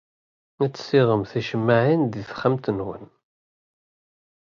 Ad tessiɣem ticemmaɛin deg texxamt-nwen.